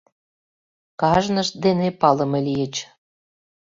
Кажнышт дене палыме лийыч.